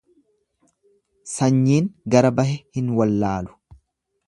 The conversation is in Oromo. Sanyiin gara bahe hin wallaalu.